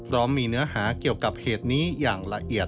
พร้อมมีเนื้อหาเกี่ยวกับเหตุนี้อย่างละเอียด